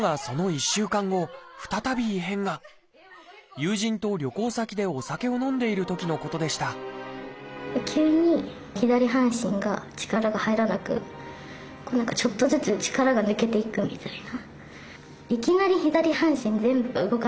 友人と旅行先でお酒を飲んでいるときのことでした何かちょっとずつ力が抜けていくみたいな。